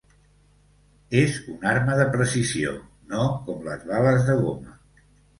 És una arma de precisió, no com les bales de goma.